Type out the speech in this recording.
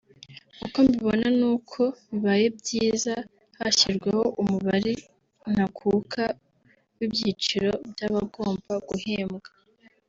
uko mbibona nuko bibaye byiza hashyirwaho umubare ntakuka w’ibyiciro by’abagomba guhembwa